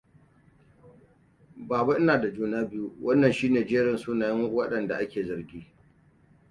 Baba, ina da juna biyu. Wannan shine jerin sunayen waɗanda ake zargi...